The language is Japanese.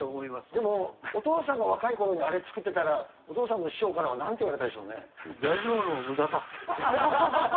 でも、お父さんが若いころにあれ作ってたら、お父さんの師匠からはなん材料のむだだ！